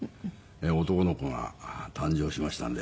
男の子が誕生しましたんで。